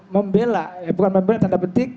membela bukan membela tanda petik